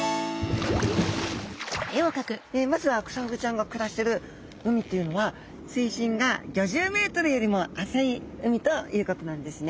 まずはクサフグちゃんが暮らしてる海というのは水深が５０ｍよりも浅い海ということなんですね。